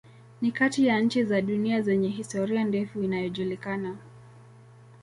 Ni kati ya nchi za dunia zenye historia ndefu inayojulikana.